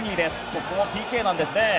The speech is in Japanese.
ここもＰＫなんですね。